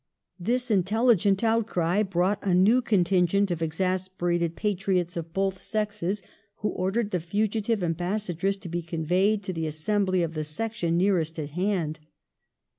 This in telligent outcry brought a new contingent of exasperated patriots of both sexes, who ordered the fugitive Ambassadress to be conveyed to the Assembly of the Section nearest at hand.